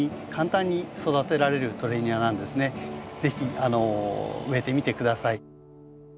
是非植えてみて下さい。